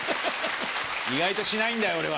意外としないんだよ俺は。